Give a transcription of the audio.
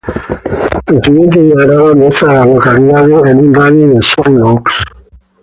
El siguiente diagrama muestra a las localidades en un radio de de Seven Oaks.